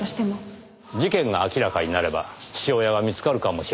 事件が明らかになれば父親が見つかるかもしれない。